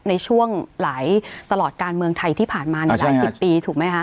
ในช่วงหลายตลอดการเมืองไทยที่ผ่านมาหลายสิบปีถูกไหมคะ